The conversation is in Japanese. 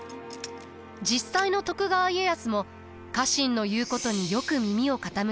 実際の徳川家康も家臣の言うことによく耳を傾けました。